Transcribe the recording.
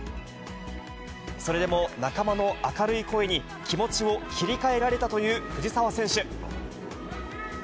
それでも、仲間の明るい声に、気持ちを切り替えられたという藤澤選手。